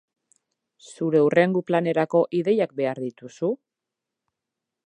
Zure hurrengo planerako ideiak behar dituzu?